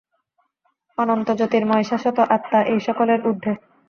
অনন্ত জ্যোতির্ময় শাশ্বত আত্মা এই সকলের ঊর্ধ্বে।